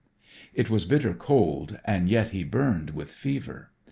"] It was bitter cold and yet he burned with fever.